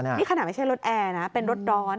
นี่ขนาดไม่ใช่รถแอร์นะเป็นรถร้อน